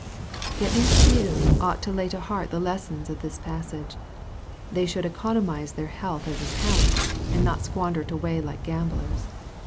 Yet these few ought to lay to heart the lessons of this passage. They should economize their health as a talent, and not squander it away like gamblers.